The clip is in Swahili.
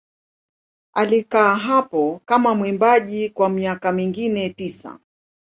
Alikaa hapo kama mwimbaji kwa miaka mingine tisa.